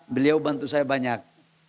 beliau bantu saya banyak